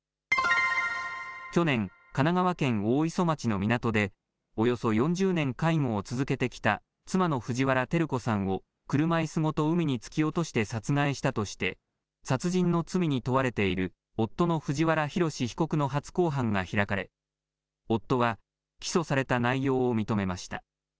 去年、神奈川県大磯町の港でおよそ４０年介護を続けてきた妻の藤原照子さんを車いすごと海に突き落として殺害したとして殺人の罪に問われている夫の藤原宏被告の初公判が開かれ夫は起訴された内容を認めました。